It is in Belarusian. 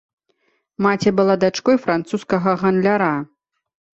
Маці была дачкой французскага гандляра.